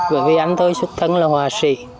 bởi vì anh tôi xuất thân là hòa sĩ